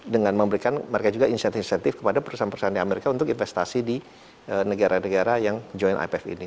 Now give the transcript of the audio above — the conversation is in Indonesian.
dengan memberikan mereka juga insentif insentif kepada perusahaan perusahaan di amerika untuk investasi di negara negara yang joint ipf ini